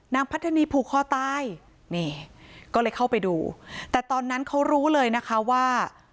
พัฒนีผูกคอตายนี่ก็เลยเข้าไปดูแต่ตอนนั้นเขารู้เลยนะคะว่า